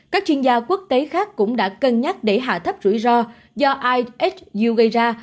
các chuyên gia quốc tế khác cũng đã cân nhắc để hạ thấp rủi ro do ihu gây ra